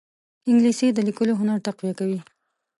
انګلیسي د لیکلو هنر تقویه کوي